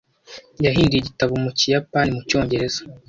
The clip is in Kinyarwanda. Yahinduye igitabo mu Kiyapani mu Cyongereza.